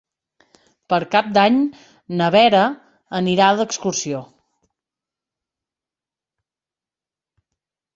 Per Cap d'Any na Vera anirà d'excursió.